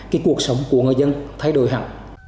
cái cuộc sống của người dân thay đổi hẳn